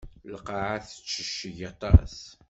Lqaɛa tettecceg aṭas.